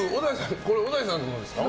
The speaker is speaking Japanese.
これ小田井さんのですか？